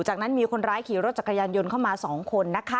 จากนั้นมีคนร้ายขี่รถจักรยานยนต์เข้ามา๒คนนะคะ